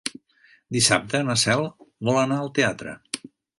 Dissabte na Cel vol anar al teatre.